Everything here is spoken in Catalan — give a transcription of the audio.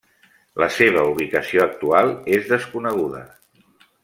La seva ubicació actual és desconeguda.